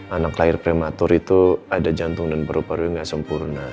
anak lahir prematur itu ada jantung dan paru paru nggak sempurna